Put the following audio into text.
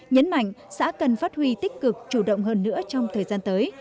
nhấn mạnh xã cần phát huy tích cực chủ động hơn nữa trong thời gian tới